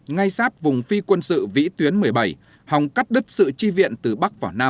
ngay sát vùng phi quân sự vĩ tuyến một mươi bảy hòng cắt đứt sự chi viện từ bắc vào nam